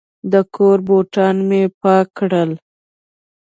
د کور بوټان مې پاک کړل.